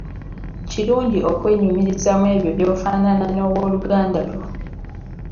Kirungi okwenyumiririza mu ebyo by’ofaanana n’owooluganda lwo.